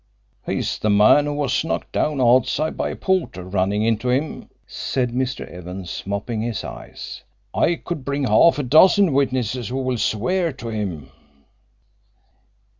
"He is the man who was knocked down outside by a porter running into him," said Mr. Evans, mopping his eyes. "I could bring half a dozen witnesses who will swear to him."